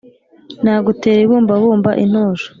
Nagutera ibumbabumba-Intosho.